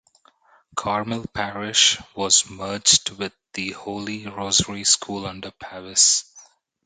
Carmel Parish, was merged with the Holy Rosary School under Pavis.